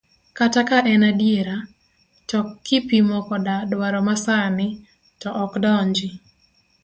Kata ka en adiera, to kipimo koda dwaro masani, to ok donji.